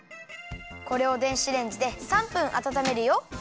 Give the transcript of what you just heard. これを電子レンジで３分あたためるよ。